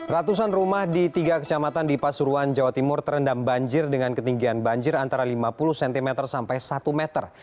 ratusan rumah di tiga kecamatan di pasuruan jawa timur terendam banjir dengan ketinggian banjir antara lima puluh cm sampai satu meter